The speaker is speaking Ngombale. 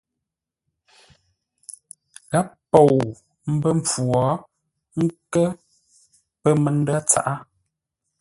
Gháp pou mbə́ mpfu wo, ə́ nkə̂r pə̂ məndə̂ tsaʼá.